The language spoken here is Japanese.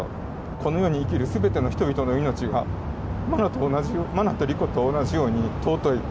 この世に生きるすべての人々の命が、真菜と莉子と同じように尊い。